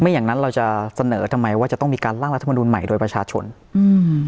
อย่างนั้นเราจะเสนอทำไมว่าจะต้องมีการล่างรัฐมนุนใหม่โดยประชาชนอืม